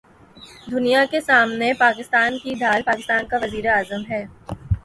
دنیا کے سامنے پاکستان کی ڈھال پاکستان کا وزیراعظم ہے۔